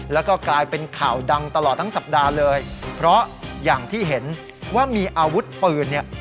แล้วก็กลายเป็นข่าวดังตลอดทั้งสัปดาห์เลยเพราะอย่างที่เห็นว่ามีอาวุธปืนเนี่ย